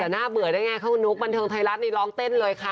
จะน่าเบื่อได้ไงเหรอพี่นุ๊กบันเทิงไทยรัฐนี่ร้องเต้นเลยค่ะ